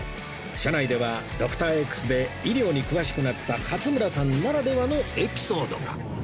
車内では『Ｄｏｃｔｏｒ−Ｘ』で医療に詳しくなった勝村さんならではのエピソードが